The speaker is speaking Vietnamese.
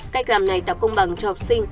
cách làm này tạo công bằng cho học sinh